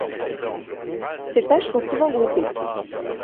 Ces taches sont souvent groupées.